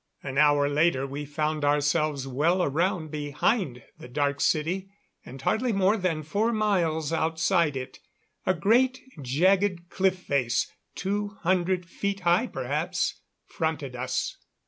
An hour later we found ourselves well around behind the Dark City and hardly more than four miles outside it. A great jagged cliff face, two hundred feet high perhaps, fronted us.